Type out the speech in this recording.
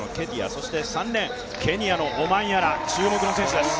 そして３レーン、オマンヤラ、注目の選手です。